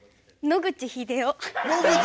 野口英世